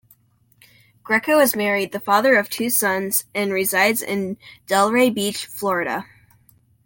Greco is married, the father of two sons, and resides in Delray Beach, Florida.